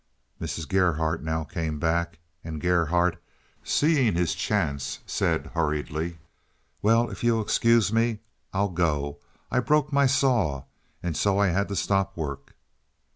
Mrs. Gerhardt now came back, and Gerhardt, seeing his chance, said hurriedly: "Well, if you'll excuse me, I'll go. I broke my saw, and so I had to stop work."